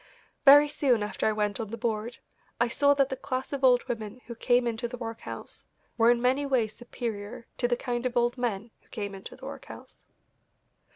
Very soon after I went on the board I saw that the class of old women who came into the workhouse were in many ways superior to the kind of old men who came into the workhouse.